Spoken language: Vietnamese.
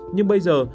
nhưng bây giờ